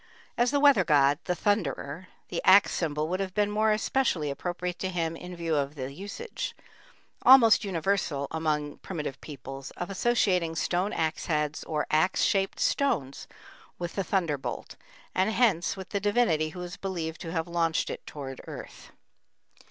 As the weather god, the thunderer, the axe symbol would have been more especially appropriate to him in view of the usage, almost universal among primitive peoples, of associating stone axe heads or axe shaped stones with the thunderbolt, and hence with the divinity who was believed to have launched it toward the earth.